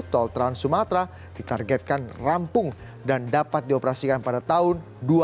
tol trans sumatera ditargetkan rampung dan dapat dioperasikan pada tahun dua ribu dua puluh